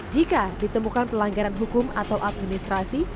jika ditemukan pelanggaran hukum atau administrasi